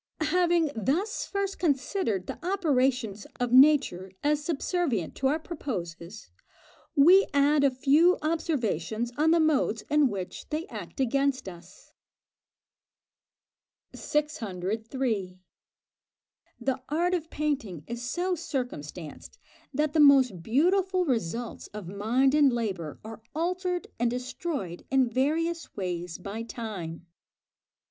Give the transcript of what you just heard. Having thus first considered the operations of nature as subservient to our proposes, we add a few observations on the modes in which they act against us. 603. The art of painting is so circumstanced that the most beautiful results of mind and labour are altered and destroyed in various ways by time.